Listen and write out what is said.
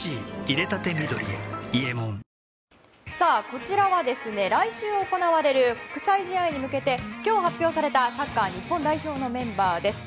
こちらは来週行われる国際試合に向けて今日、発表されたサッカー日本代表のメンバーです。